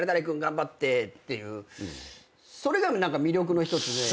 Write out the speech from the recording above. それが魅力の１つで。